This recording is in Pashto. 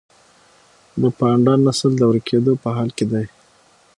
د پاندا نسل د ورکیدو په حال کې دی